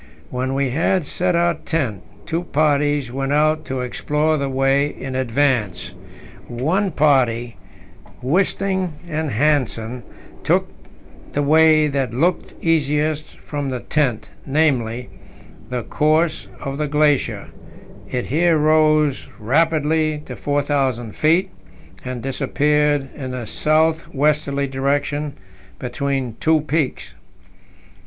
When we had set our tent, two parties went out to explore the way in advance. One party Wisting and Hanssen took the way that looked easiest from the tent namely, the course of the glacier; it here rose rapidly to 4,000 feet, and disappeared in a south westerly direction between two peaks.